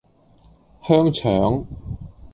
香腸